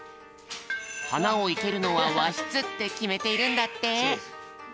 はなをいけるのはわしつってきめているんだって。